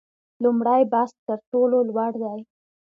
لومړی بست تر ټولو لوړ دی